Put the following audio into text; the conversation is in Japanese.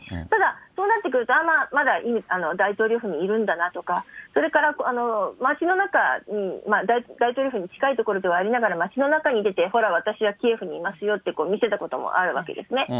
ただ、そうなってくると、まだ大統領府にいるんだなとか、それから町の中に大統領府に近い所ではありながら、町の中にいながら、ほら、私はキエフにいますよって、見せたこともあるわけですね。